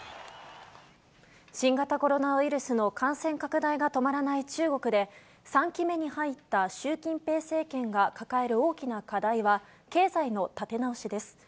新型コロナウイルスの感染拡大が止まらない中国で、３期目に入った習近平政権が抱える大きな課題は、経済の立て直しです。